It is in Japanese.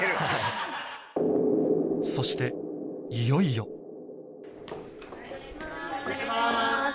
そしていよいよお願いします。